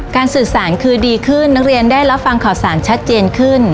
สื่อสารคือดีขึ้นนักเรียนได้รับฟังข่าวสารชัดเจนขึ้น